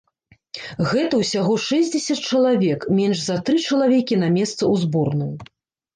Гэта ўсяго шэсцьдзесят чалавек, менш за тры чалавекі на месца ў зборную.